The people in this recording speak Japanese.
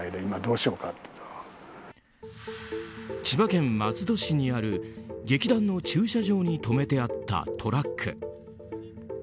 千葉県松戸市にある劇団の駐車場に止めてあったトラック。